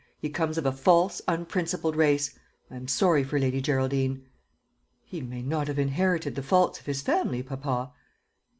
He comes of a false, unprincipled race. I am sorry for Lady Geraldine." "He may not have inherited the faults of his family, papa."